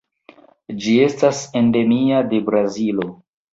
Ĝi estas endemia de Brazilo.